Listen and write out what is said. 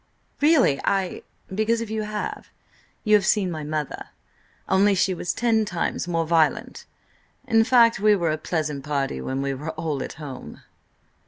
"Really, I—" "Because, if you have, you have seen my mother. Only she was ten times more violent. In fact, we were a pleasant party when we were all at home."